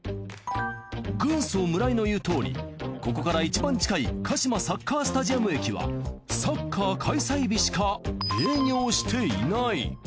軍曹村井の言うとおりここからいちばん近い鹿島サッカースタジアム駅はサッカー開催日しか営業していない。